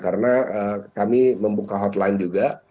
karena kami membuka hotline juga